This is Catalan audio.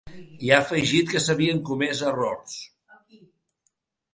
I ha afegit que s’havien comès errors.